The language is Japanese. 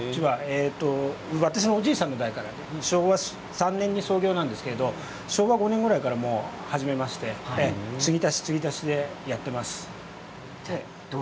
私のおじいさんの代から昭和３年創業なんですが昭和５年くらいから始めまして継ぎ足し継ぎ足しでやっています。